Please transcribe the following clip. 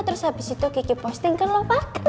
terus habis itu kiki posting ke lo pak